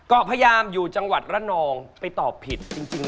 เกาะพยามอยู่จังหวัดระนองไปตอบผิด